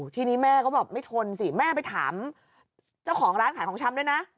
ทีนี้แม่ก็บอกไม่ทนสิแม่ไปถามเจ้าของร้านขายของชำด้วยนะ